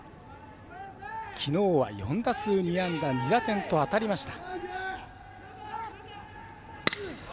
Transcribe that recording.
きのうは４打数２安打２打点と当たりました。